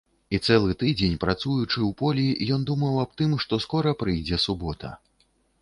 І цэлы тыдзень, працуючы ў полі, ён думаў аб тым, што скора прыйдзе субота.